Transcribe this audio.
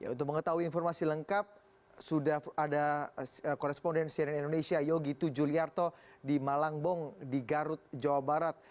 untuk mengetahui informasi lengkap sudah ada korespondensi dari indonesia yogi tujuliarto di malangbong di garut jawa barat